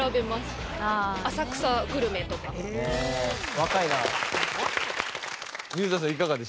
若いな。